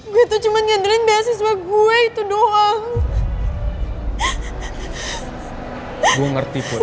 gue tuh cuma ngandalkan beasiswa gue itu doang